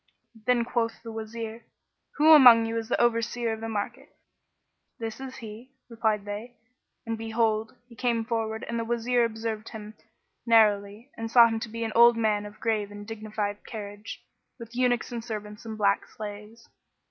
Then quoth the Wazir, "Who among you is the Overseer of the market?" "This is he," replied they; and behold, he came forward and the Wazir observed him narrowly and saw him to be an old man of grave and dignified carriage, with eunuchs and servants and black slaves.